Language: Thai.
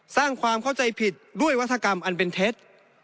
สร้างความเข้าใจผิดด้วยวัฒกรรมอันเป็นเท็จ